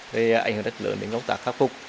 gây ảnh hưởng rất lớn đến công tác khắc phục